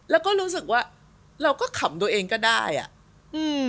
แล้วก็รู้สึกว่าเราก็ขำตัวเองก็ได้อ่ะอืม